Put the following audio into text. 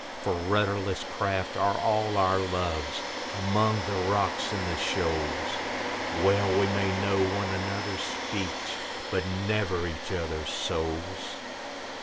For rudderless craft are all our loves, among the rocks and the shoals, Well we may know one another's speech, but never each other's souls.